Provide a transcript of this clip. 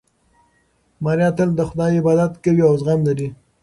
ماریا تل د خدای عبادت کوي او زغم لري.